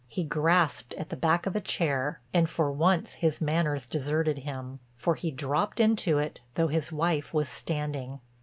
He grasped at the back of a chair and for once his manners deserted him, for he dropped into it though his wife was standing.